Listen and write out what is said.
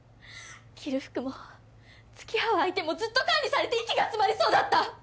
着る服も付き合う相手もずっと管理されて息が詰まりそうだった！